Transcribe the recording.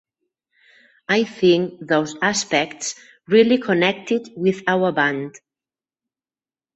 I think those aspects really connected with our band.